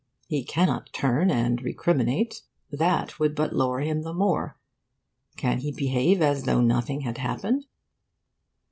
He cannot turn and recriminate. That would but lower him the more. Can he behave as though nothing has happened?